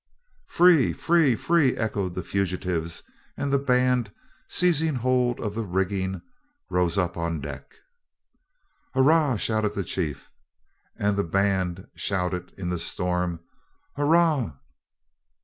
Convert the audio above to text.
"Free, free, free," echoed the fugitives, and the band, seizing hold of the rigging, rose up on deck. "Hurrah!" shouted the chief. And the band shouted in the storm, "Hurrah!"